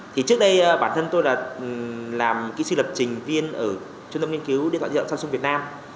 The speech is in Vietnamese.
thì trước đây bản thân tôi là làm kỹ sư lập trình viên ở trung tâm nghiên cứu điện thoại diện thoại sao sông việt nam